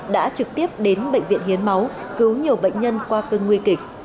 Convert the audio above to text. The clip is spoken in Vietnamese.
đã trực tiếp đến bệnh viện hiến máu cứu nhiều bệnh nhân qua cơn nguy kịch